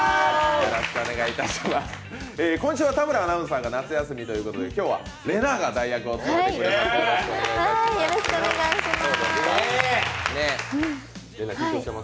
今週は田村アナウンサーが夏休みということで、今日は、れなぁが代役を務めてくれます、よろしくお願いします。